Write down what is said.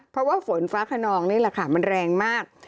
เพราะว่าฝนฟ้าขนองนี่แหละค่ะมันแรงมาก